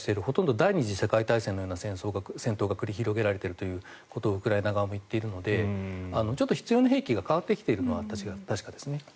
ほとんど第２次世界大戦のような戦闘が繰り広げられているということをウクライナ側も言っているのでちょっと必要な兵器が変わってきているのは確かですね。